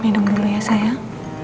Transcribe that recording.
minum dulu ya sayang